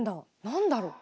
何だろう。